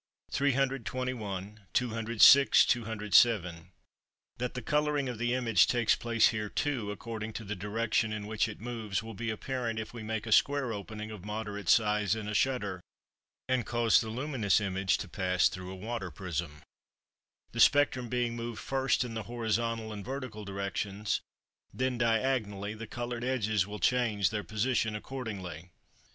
321(206, 207). That the colouring of the image takes place here too, according to the direction in which it moves, will be apparent if we make a square opening of moderate size in a shutter, and cause the luminous image to pass through a water prism; the spectrum being moved first in the horizontal and vertical directions, then diagonally, the coloured edges will change their position accordingly.